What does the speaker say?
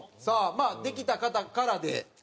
さあまあできた方からで。